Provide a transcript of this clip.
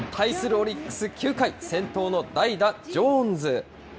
オリックス、９回、先頭の代打、ジョーンズ。